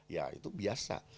ya itu biasa